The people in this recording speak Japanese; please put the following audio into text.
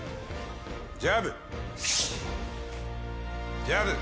ジャブ。